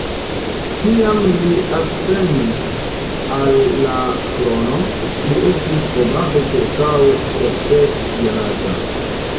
Kiam li ascendis al la trono, li estis probable ĉirkaŭ sepdek-jaraĝa.